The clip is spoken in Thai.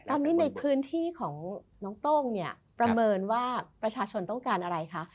ตอนนี้ในพื้นที่ของน้องโต้งเนี่ยประเมินว่าประชาชนต้องการอะไรคะ